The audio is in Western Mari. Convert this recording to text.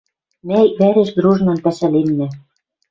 Мӓ иквӓреш дружнан пӓшӓленнӓ